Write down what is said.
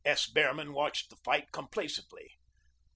S. Behrman watched the fight complacently.